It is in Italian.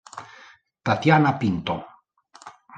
Tatiana Pinto